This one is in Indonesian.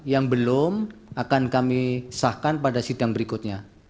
yang belum akan kami sahkan pada sidang berikutnya